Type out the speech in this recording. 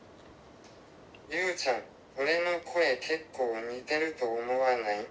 ゆうちゃん、俺の声結構、似てると思わない？